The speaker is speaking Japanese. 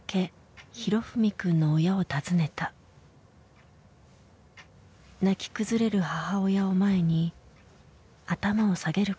泣き崩れる母親を前に頭を下げることしかできなかった。